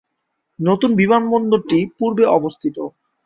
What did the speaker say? নতুন বিমানবন্দরটি পূর্বে অবস্থিত।